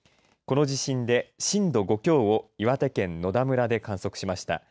この地震で震度５強を岩手県野田村で観測しました。